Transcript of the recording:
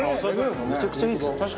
めちゃくちゃいいですよね。